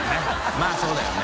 まぁそうだよね。